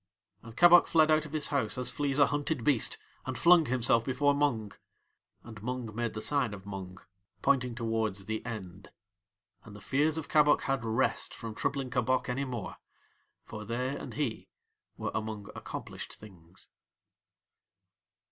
And Kabok fled out of his house as flees a hunted beast and flung himself before Mung. And Mung made the sign of Mung, pointing towards THE END. And the fears of Kabok had rest from troubling Kabok any more, for they and he were among accomplished things.